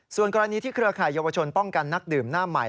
ส่วนกรณีที่เครือข่ายเยาวชนป้องกันนักดื่มหน้าใหม่